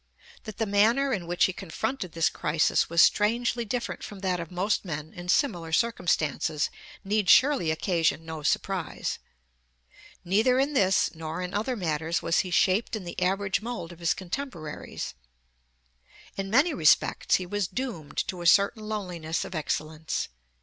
That the manner in which he confronted this crisis was strangely different from that of most men in similar circumstances need surely occasion no surprise. Neither in this nor in other matters was he shaped in the average mold of his contemporaries. In many respects he was doomed to a certain loneliness of excellence.